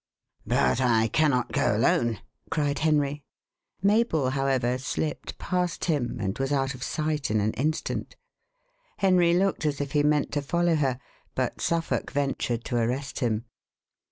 "But I cannot go alone," cried Henry. Mabel, however, slipped past him, and was out of sight in an instant. Henry looked as if he meant to follow her, but Suffolk ventured to arrest him.